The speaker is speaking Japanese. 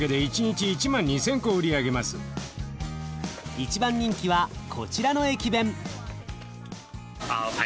一番人気はこちらの駅弁。